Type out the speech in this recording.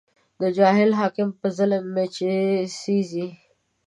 د جاهل حاکم په ظلم مې چې سېزې